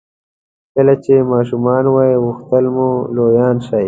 کله چې ماشومان وئ غوښتل مو لویان شئ.